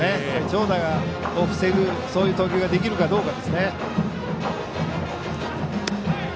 長打を防ぐそういう投球ができるかどうか。